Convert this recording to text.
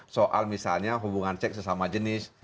soal misalnya hubungan cek sesama jenis